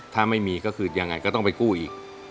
ถ้าไม่มีก็คือยังไงก็ต้องไปกู้อีก